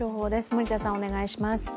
森田さん、お願いします。